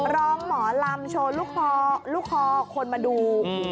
ร้องหมอลำโชว์ลูกคอลูกคอคนมาดู